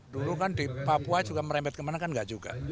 dulu kan di papua juga merembet kemana kan enggak juga